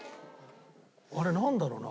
あれなんだろうな？